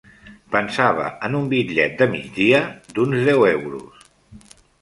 Pensava en un bitllet de migdia d'uns deu euros.